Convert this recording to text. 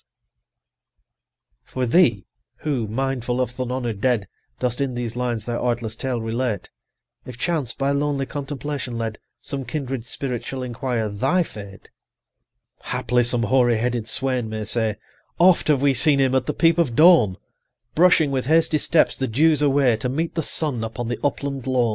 For thee, who, mindful of th' unhonour'd dead, Dost in these lines their artless tale relate, If chance, by lonely contemplation led, 95 Some kindred spirit shall inquire thy fate, Haply some hoary headed swain may say, "Oft have we seen him at the peep of dawn Brushing with hasty steps the dews away, To meet the sun upon the upland lawn.